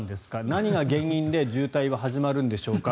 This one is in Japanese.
何が原因で渋滞は始まるんでしょうか？